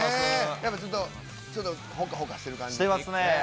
やっぱちょっと、ほかほかししてますね。